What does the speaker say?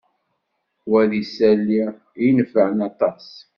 Wa d isali i inefεen aṭas.